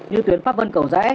như tuyến pháp vân cầu rẽ